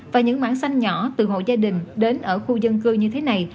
và những mảng xanh nhỏ từ hộ gia đình đến ở khu dân cư như thế này